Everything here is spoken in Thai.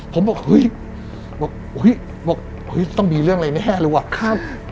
ผมบอกหึยต้องมีเรื่องอะไรแน่เลยวะ